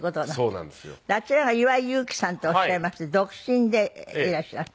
であちらが岩井勇気さんっておっしゃいまして独身でいらっしゃる。